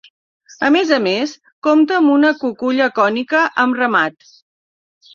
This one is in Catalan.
A més a més, compta amb una cuculla cònica amb remat.